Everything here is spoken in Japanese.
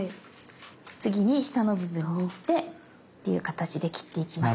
次に下の部分に行ってっていう形で切っていきますね。